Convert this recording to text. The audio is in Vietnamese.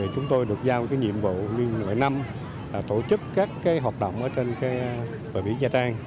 chúng tôi được giao nhiệm vụ nguyên nội năm tổ chức các hoạt động ở trên bờ biển nha trang